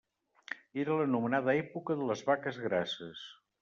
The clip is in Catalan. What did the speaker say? Era l'anomenada època de les vaques grasses.